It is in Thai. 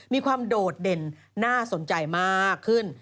มีความโดดเด่นน่าสนใจมากขึ้น